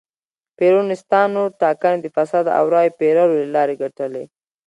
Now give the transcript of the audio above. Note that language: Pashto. پېرونیستانو ټاکنې د فساد او رایو پېرلو له لارې ګټلې.